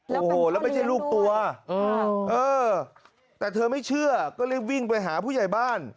โอ้โหแล้วไม่ใช่ลูกตัวแต่เธอไม่เชื่อก็รีบวิ่งไปหาผู้ใหญ่บ้าน